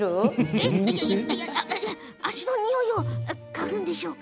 え足のにおいを嗅ぐんでしょうか？